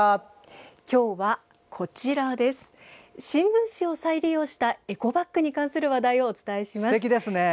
今日は新聞紙を再利用したエコバッグに関する話題をお伝えします。